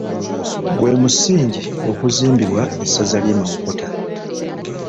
Gwe musingi okuzimbiddwa essaza ly'e Mawokota.